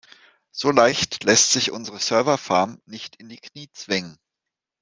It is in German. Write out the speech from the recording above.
So leicht lässt sich unsere Serverfarm nicht in die Knie zwingen.